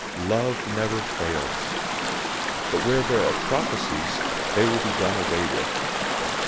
013:008 Love never fails. But where there are prophecies, they will be done away with.